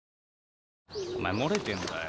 お前漏れてんだよ。